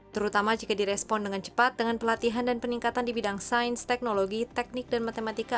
terutama jika direspon dengan cepat dengan pelatihan dan peningkatan di bidang sains teknologi teknik dan matematika